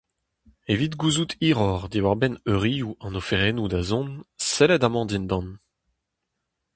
Evit gouzout hiroc'h diwar-benn eurioù an oferennoù da zont, sellit amañ dindan.